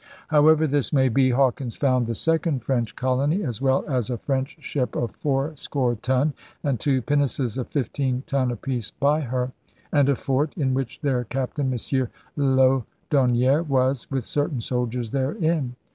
* However this may be, Hawkins found the second French colony as well as *a French ship of four score ton, and two pinnaces of fifteen ton apiece by her ... and a fort, in which their captain Monsieur Laudonniere was, with certain soldiers therein.'